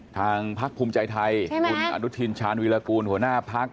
ทางพักภูมิใจไทยคุณอนุทินชาญวิรากูลหัวหน้าพัก